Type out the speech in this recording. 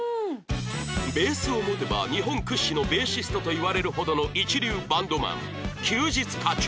ベースを持てば日本屈指のベーシストといわれるほどの一流バンドマン休日課長